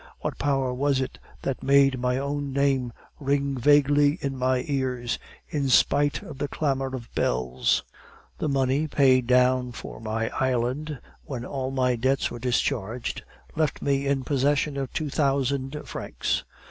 What power was it that made my own name ring vaguely in my ears, in spite of the clamor of bells? "The money paid down for my island, when all my debts were discharged, left me in possession of two thousand francs.